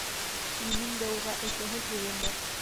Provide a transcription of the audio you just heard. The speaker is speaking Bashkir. Минең дә уға әйтәһе һүҙем бар.